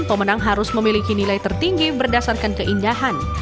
pemenang harus memiliki nilai tertinggi berdasarkan keindahan